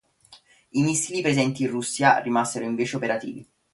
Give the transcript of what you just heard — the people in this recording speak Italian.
I missili presenti in Russia rimasero invece operativi.